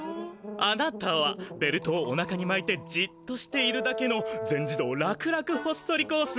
あなたはベルトをおなかにまいてじっとしているだけの「全自動楽々ほっそりコース」。